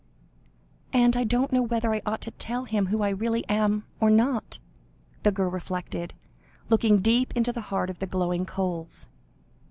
"And I don't know whether I ought to tell him who I really am, or not," the girl reflected, looking deep into the heart of the glowing coals.